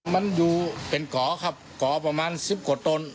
มันอยู่เป็นก่อครับก่อประมาณ๑๐กว่าตน